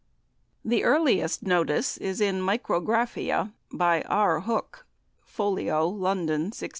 The earliest notice is in "Micrographia," by R. Hooke, folio, London, 1665.